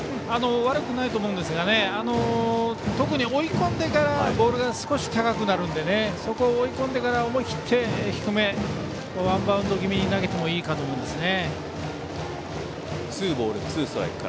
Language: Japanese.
悪くないと思いますが特に、追い込んでからボールが少し高くなるのでそこを追い込んでから思い切って低めワンバウンド気味に投げてもいいかと思いますね。